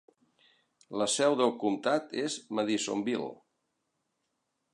La seu del comtat és Madisonville.